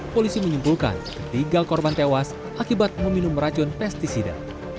polisi menyimpulkan ketiga korban tewas akibat meminum racun pesticida